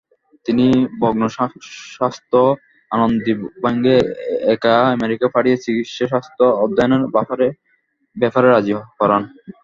তিনি ভগ্নস্বাস্থ্য আনন্দীবাঈকে একা আমেরিকা পাঠিয়ে চিকিৎসাশাস্ত্র অধ্যয়নের ব্যাপারে রাজি করান।